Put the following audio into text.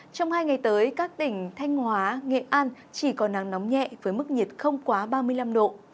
trong hai ngày tới các tỉnh thanh hóa nghệ an chỉ có nắng nóng nhẹ với mức nhiệt không quá ba mươi năm độ